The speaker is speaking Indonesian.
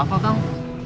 takut kenapa kang